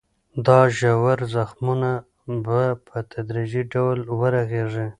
دا ژور زخمونه به په تدریجي ډول ورغېږي.